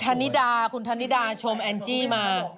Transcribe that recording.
ธนิดาคุณธนิดาชมแอนจี้มา